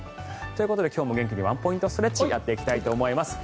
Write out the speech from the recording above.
ということで今日も元気にワンポイントストレッチやっていきたいと思います。